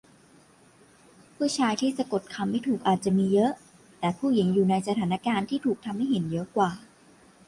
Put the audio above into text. ผู้ชายที่สะกดคำไม่ถูกอาจจะมีเยอะ แต่ผู้หญิงอยู่ในสถานการณ์ที่ถูกทำให้เห็นเยอะกว่า ?